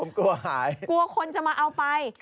ผมกลัวหายกลัวคนจะมาเอาไป